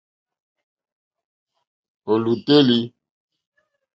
Ò lùtélì.